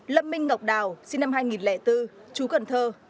lâm minh ngọc đào sinh năm hai nghìn bốn chú cần thơ